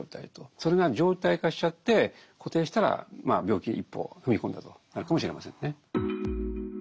それが常態化しちゃって固定したら病気に一歩踏み込んだとなるかもしれませんね。